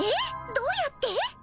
どうやって？